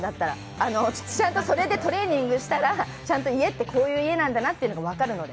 ちゃんとそれでトレーニングしたら家ってこういう家なんだなって分かるので。